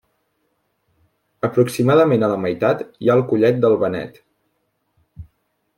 Aproximadament a la meitat hi ha el Collet del Benet.